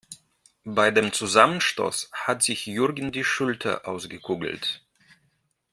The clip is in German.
Bei dem Zusammenstoß hat sich Jürgen die Schulter ausgekugelt.